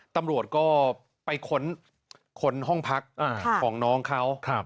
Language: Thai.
ตำรวจก็ไปค้นห้องพักของน้องเขา